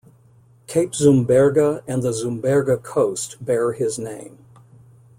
Cape Zumberge and the Zumberge Coast bear his name.